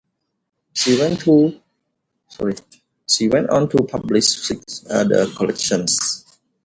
She went on to publish six other collections.